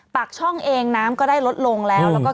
ปากช่องเองน้ำก็ได้ลดลงแล้ว